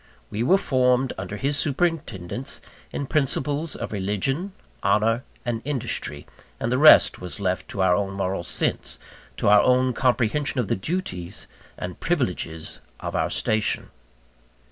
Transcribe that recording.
We were formed, under his superintendence, in principles of religion, honour, and industry; and the rest was left to our own moral sense, to our own comprehension of the duties and privileges of our station.